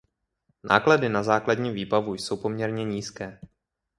Náklady na základní výbavu jsou poměrně nízké.